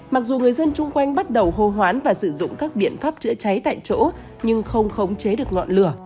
mặc dù người dân chung quanh bắt đầu hô hoán và sử dụng các biện pháp chữa cháy tại chỗ nhưng không khống chế được ngọn lửa